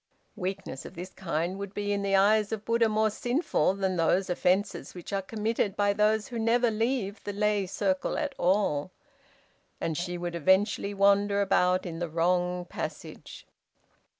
Weakness of this kind would be in the eyes of Buddha more sinful than those offences which are committed by those who never leave the lay circle at all, and she would eventually wander about in the 'wrong passage.'